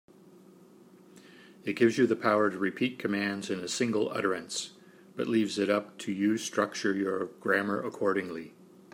It gives you the power to repeat commands in a single utterance, but leaves it up to you structure your grammar accordingly.